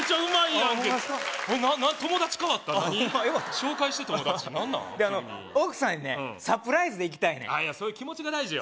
紹介して友達何なん急にであの奥さんにねサプライズで行きたいねんそういう気持ちが大事よ